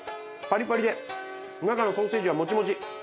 パリパリで中のソーセージはもちもち！